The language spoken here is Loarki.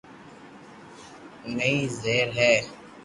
تني زبر ھي